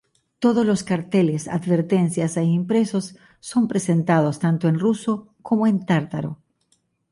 Todos los carteles, advertencias e impresos son presentados tanto en ruso como en tártaro.